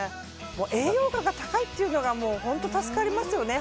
栄養価が高いっていうのが本当、助かりますよね